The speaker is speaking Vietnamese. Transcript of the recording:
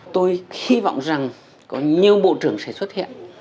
tôi hy vọng rằng có nhiều bộ trưởng sẽ xuất hiện